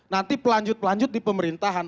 nanti pelanjut pelanjut di pemerintahan